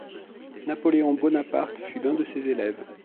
Napoléon Bonaparte fut l'un de ses élèves.